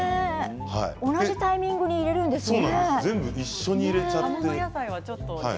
同じタイミングで入れるんですよね。